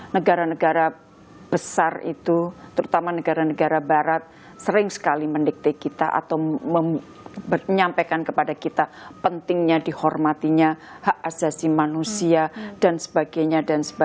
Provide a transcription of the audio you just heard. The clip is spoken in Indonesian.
negara negara besar itu terutama negara negara barat sering sekali mendikte kita atau menyampaikan kepada kita pentingnya dihormatinya hak asasi manusia dan sebagainya